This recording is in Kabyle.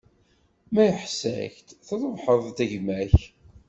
Ma iḥess-ak-d, trebḥeḍ-d gma-k.